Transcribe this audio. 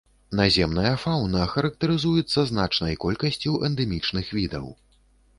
Наземная фаўна характарызуецца значнай колькасцю эндэмічных відаў.